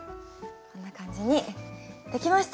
こんな感じにできました！